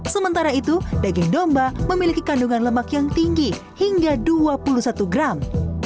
sementara itu daging domba memiliki kandungan lemak yang tinggi hingga dua puluh satu gram